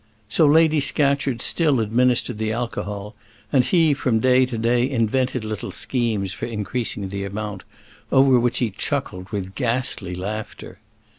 So Lady Scatcherd still administered the alcohol, and he from day to day invented little schemes for increasing the amount, over which he chuckled with ghastly laughter.